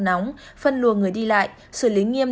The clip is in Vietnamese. nóng phân lùa người đi lại xử lý nghiêm